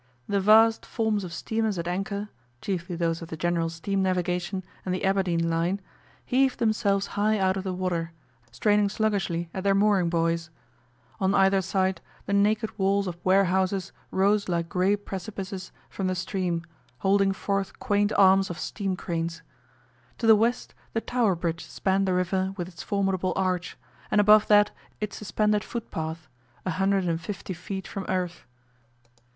The vast forms of steamers at anchor chiefly those of the General Steam Navigation and the Aberdeen Line heaved themselves high out of the water, straining sluggishly at their mooring buoys. On either side the naked walls of warehouses rose like grey precipices from the stream, holding forth quaint arms of steam cranes. To the west the Tower Bridge spanned the river with its formidable arch, and above that its suspended footpath a hundred and fifty feet from earth.